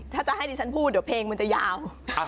เพราะเพลงมันจะยาว